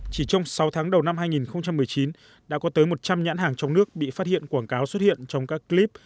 chỉ trong sáu tháng đầu năm hai nghìn một mươi chín đã có tới một trăm linh nhãn hàng trong nước bị phát hiện quảng cáo xuất hiện trong các clip